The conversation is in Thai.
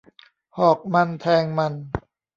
หอกมันแทงมัน